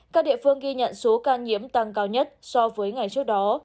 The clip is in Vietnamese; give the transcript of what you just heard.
các địa phương ghi nhận số ca nhiễm tăng cao nhất so với ngày trước đó